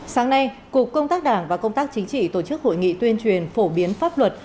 sáng nay cục công tác đảng và công tác chính trị tổ chức hội nghị tuyên truyền phổ biến pháp luật